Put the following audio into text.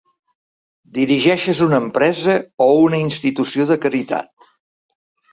Dirigeixes una empresa o una institució de caritat?